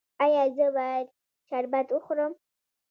ایا زه باید شربت وخورم؟